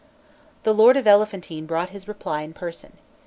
The lord of Elephantine brought his reply in person.